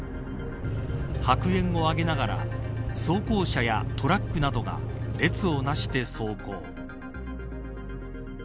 白煙を上げながら装甲車やトラックなどが列をなして走行。